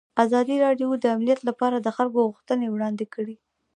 ازادي راډیو د امنیت لپاره د خلکو غوښتنې وړاندې کړي.